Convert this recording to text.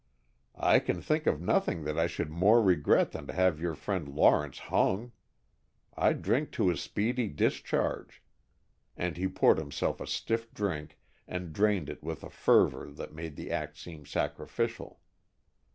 "I can think of nothing that I should more regret than to have your friend Lawrence hung. I drink to his speedy discharge." And he poured himself a stiff drink and drained it with a fervor that made the act seem sacrificial.